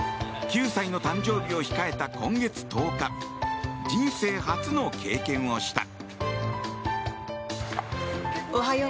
９歳の誕生日を控えた今月１０日人生初の経験をした。